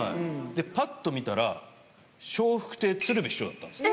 パッと見たら笑福亭鶴瓶師匠だったんです。